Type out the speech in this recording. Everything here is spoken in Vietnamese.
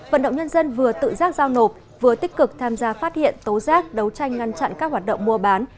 vận động nhân dân vừa tự giác giao nộp vừa tích cực tham gia phát hiện tố giác đấu tranh ngăn chặn các hoạt động mua bán